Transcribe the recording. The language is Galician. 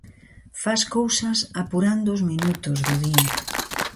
Fas cousas apurando os minutos do día.